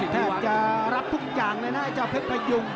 แทบจะรับทุกจังเลยนะไอ้เจ้าเผ็ดไปยุ่ง